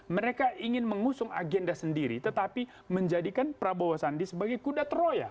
mereka ingin mengusung agenda sendiri tetapi menjadikan prabowo sandi sebagai kuda troya